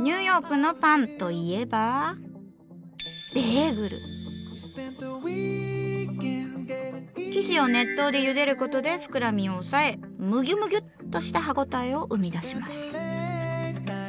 ニューヨークのパンといえば生地を熱湯でゆでることで膨らみを抑えムギュムギュッとした歯応えを生み出します。